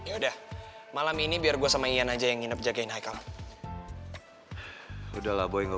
udah malam ini biar gua sama ian aja yang endsages aika udah namanya nggak